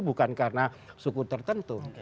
bukan karena suku tertentu